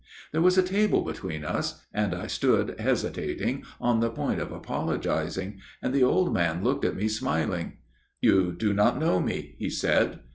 "There was a table between us, and I stood hesitating, on the point of apologizing, and the old man looked at me smiling. "* You do not know me,' he said.